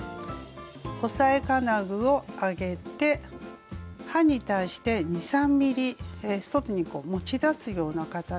押さえ金具を上げて刃に対して２３ｍｍ外に持ち出すような形にセットします。